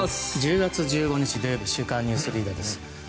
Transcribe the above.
１０月１５日、土曜日「週刊ニュースリーダー」です。